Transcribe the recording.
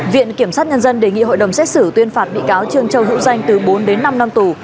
viện kiểm sát nhân dân đề nghị hội đồng xét xử tuyên phạt bị cáo trương châu hữu danh từ bốn đến năm năm tù